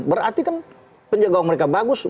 berarti kan penjagaan mereka bagus